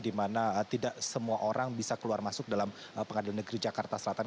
di mana tidak semua orang bisa keluar masuk dalam pengadilan negeri jakarta selatan